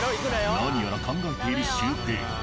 何やら考えているシュウペイ。